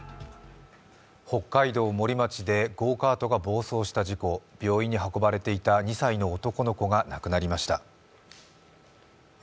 北海道森町でゴーカートが暴走した事故、病院に運ばれていた２歳の男の子が亡くなりました。